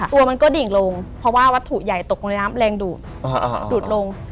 ตัวมันก็ดิ่งลงเพราะว่าวัตถุใหญ่ตกลงในน้ำแรงดูดดูดลง